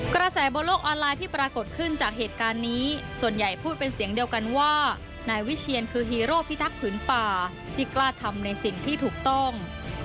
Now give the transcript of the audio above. กระแสบนโลกออนไลน์ที่ปรากฏขึ้นจากเหตุการณ์นี้ส่วนใหญ่พูดเป็นเสียงเดียวกันว่านายวิเชียนคือฮีโร่พิทักษ์ผืนป่าที่กล้าทำในสิ่งที่ถูกต้อง